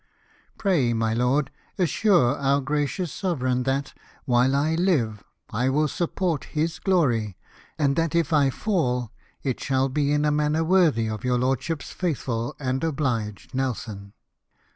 Pray, my lord, assure our gracious sovereign, that, while I live I will support his glory ; and that if I fall it shall be in a manner worthy of your lordship's faithful and obliged Nelson.